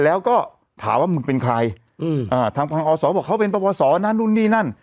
แล้วก็ถามว่ามึงเป็นใครอืมอ่าทางพังอศบอกเขาเป็นปวสอนั่นนู่นนี่นั่น